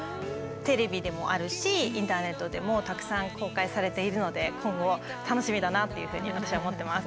インターネットでもたくさん公開されているので今後楽しみだなっていうふうに私は思ってます。